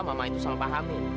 mama itu sampah amin